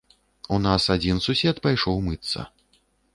У нас адзін сусед пайшоў мыцца.